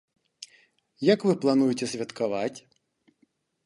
Як вы плануеце святкаваць?